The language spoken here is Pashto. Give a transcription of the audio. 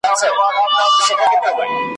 زماد قام یې دی لیکلی د مېچن پر پله نصیب دی ,